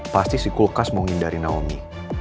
pasti si kulkas mau hindari naomi